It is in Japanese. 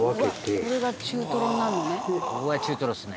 「これが中トロになるのね」